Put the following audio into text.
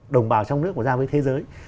đồng bào trong nước và ra với thế giới